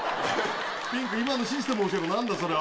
ピンク、今のシステム教えろ、なんだそれは。